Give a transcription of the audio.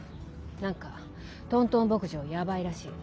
何かトントン牧場ヤバイらしい。